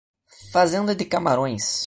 Fazenda de camarões